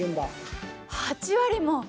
８割も！